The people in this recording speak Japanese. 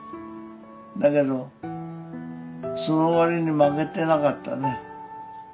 だけどそのわりに負けてなかったね。